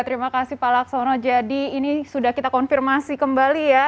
terima kasih pak laksono jadi ini sudah kita konfirmasi kembali ya